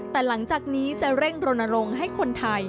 แต่หลังจากนี้จะเร่งรณรงค์ให้คนไทย